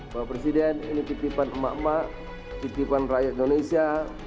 bapak presiden ini titipan emak emak titipan rakyat indonesia